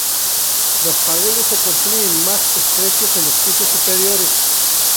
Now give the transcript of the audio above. Las paredes se construyen más estrechos en los pisos superiores.